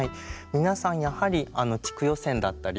皆さんやはり地区予選だったり